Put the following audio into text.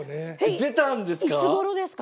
出たんですか？